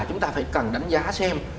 chúng ta phải cần đánh giá xem